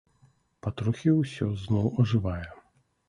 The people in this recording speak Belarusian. Патрохі ўсё зноў ажывае.